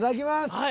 はい。